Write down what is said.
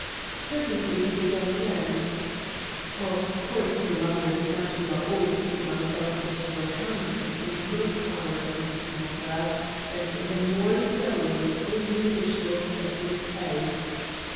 Presently he began again: "Of course you'll understand we are all putting ourselves into your hands and in your power in this matter; and the more so with every additional step we take."